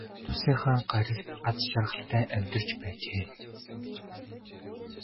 Тус тусынхаа гаригт аз жаргалтай амьдарч байжээ.